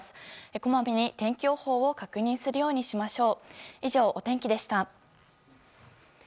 こまめに天気予報を確認するようにしましょう。